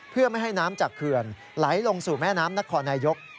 เพื่อไม่ให้น้ำจากเขื่อนไหลลงสู่แม่น้ำนครนายก